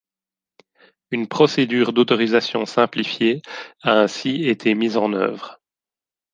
Une procédure d'autorisation simplifiée a ainsi été mise en œuvre.